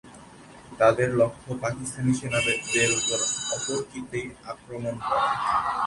তাদের লক্ষ্য পাকিস্তানি সেনাদের ওপর অতর্কিতে আক্রমণ করা।